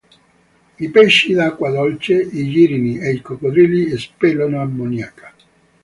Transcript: I pesci d'acqua dolce, i girini e i coccodrilli espellono ammoniaca.